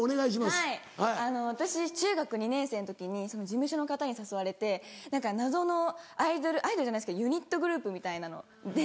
はいあの私中学２年生の時に事務所の方に誘われて謎のアイドルアイドルじゃないですけどユニットグループみたいなので。